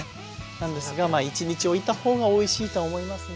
なんですが１日おいた方がおいしいとは思いますね。